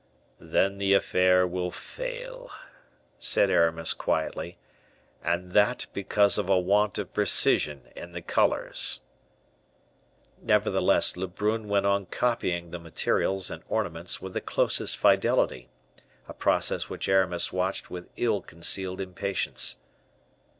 "Then the affair will fail," said Aramis, quietly, "and that because of a want of precision in the colors." Nevertheless Lebrun went on copying the materials and ornaments with the closest fidelity a process which Aramis watched with ill concealed impatience.